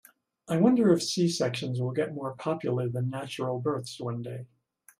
I wonder if C-sections will get more popular than natural births one day.